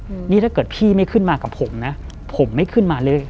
อืมนี่ถ้าเกิดพี่ไม่ขึ้นมากับผมนะผมไม่ขึ้นมาเลย